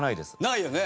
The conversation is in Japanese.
ないよね。